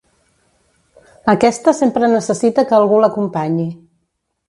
Aquesta sempre necessita que algú l'acompanyi.